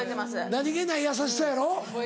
何げない優しさやろ？